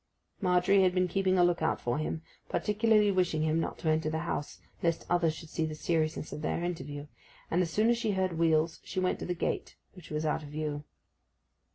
Margery had been keeping a look out for him, particularly wishing him not to enter the house, lest others should see the seriousness of their interview; and as soon as she heard wheels she went to the gate, which was out of view.